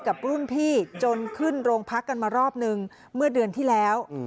กับรุ่นพี่จนขึ้นโรงพักกันมารอบนึงเมื่อเดือนที่แล้ว